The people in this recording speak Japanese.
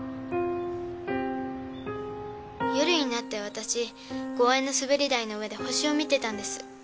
夜になって私公園の滑り台の上で星を見てたんです。